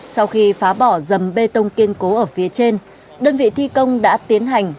sau khi phá bỏ dầm bê tông kiên cố ở phía trên đơn vị thi công đã tiến hành